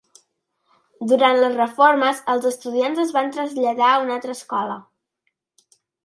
Durant les reformes els estudiants es van traslladar a una altra escola.